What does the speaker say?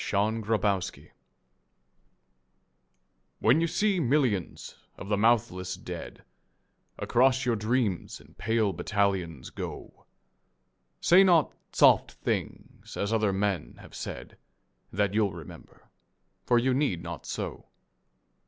XCI The Army of Death WHEN you see millions of the mouthless dead Across your dreams in pale battalions go, Say not soft things as other men have said, That you'll remember. For you need not so.